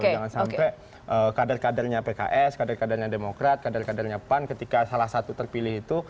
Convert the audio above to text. jangan sampai kader kadernya pks kader kadernya demokrat kader kadernya pan ketika salah satu terpilih itu